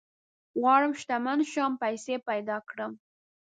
غواړم شتمن شم ، پيسي پيدا کړم